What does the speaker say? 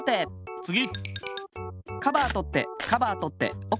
つぎ！